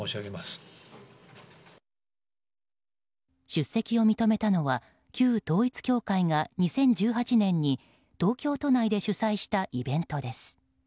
出席を認めたのは旧統一教会が２０１８年に東京都内で主催したイベントです。